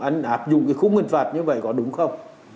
anh áp dụng cái khung hình phạt như vậy có đúng không